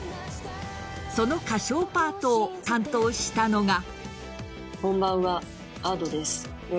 その歌唱パートを担当したのが。